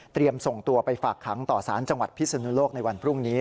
ส่งตัวไปฝากขังต่อสารจังหวัดพิศนุโลกในวันพรุ่งนี้